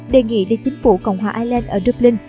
đề nghị để chính phủ cộng hòa ireland ở dublin